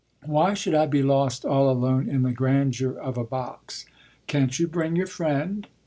"Why should I be lost, all alone, in the grandeur of a box?" "Can't you bring your friend?"